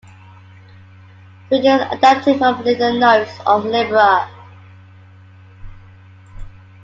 Credits adapted from liner notes of "Libra".